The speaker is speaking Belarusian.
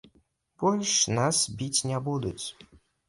Больш нас біць не будуць!